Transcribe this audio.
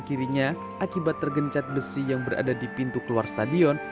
kirinya akibat tergencat besi yang berada di pintu keluar stadion